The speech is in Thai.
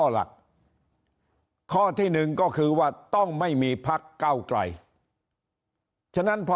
หลักข้อที่หนึ่งก็คือว่าต้องไม่มีพักเก้าไกลฉะนั้นพอ